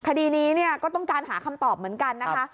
คดีนี้เนี่ยก็ต้องการหาคำตอบเหมือนกันนะคะ